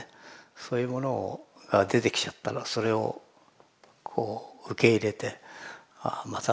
そういうものが出てきちゃったらそれをこう受け入れてああまた